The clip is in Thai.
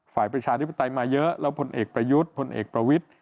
ประชาธิปไตยมาเยอะแล้วพลเอกประยุทธ์พลเอกประวิทธิ